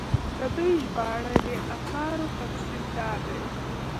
د دوي ژباړلي اثارو تفصيل دا دی